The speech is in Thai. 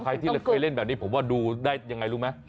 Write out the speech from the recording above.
ใครที่เคยเล่นแบบนี้ผมว่าดูได้ยังไงรู้ไหม